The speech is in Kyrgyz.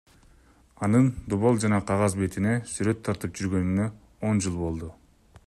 Анын дубал жана кагаз бетине сүрөт тартып жүргөнүнө он жыл болду.